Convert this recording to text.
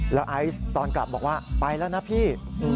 แล้วไอซ์ตอนกลับบอกว่าไปแล้วนะพี่